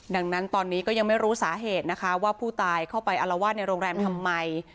ดังนั้นตอนนี้ก็ยังไม่รู้สาเหตุนะคะว่าผู้ตายเข้าไปอารวาสในโรงแรมทำไม